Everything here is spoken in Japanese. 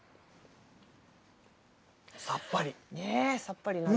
さっぱり。